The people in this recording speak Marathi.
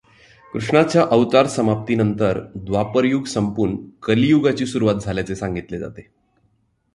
कृष्णाच्या अवतारसमाप्तीनंतर द्वापरयुग संपून कलियुगाची सुरुवात झाल्याचे सांगितले जाते.